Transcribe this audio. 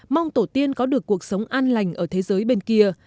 mong tổ tiên có được cuộc sống an lành ở thế giới bên kia